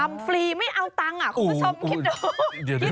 ฟรีไม่เอาตังค์คุณผู้ชมคิดดู